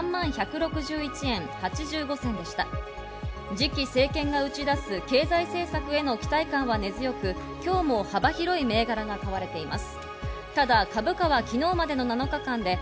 次期政権が打ち出す経済政策への期待感は根強く、今日も幅広い銘柄が買われています。